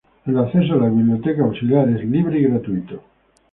El acceso a la biblioteca auxiliar es libre y gratuito.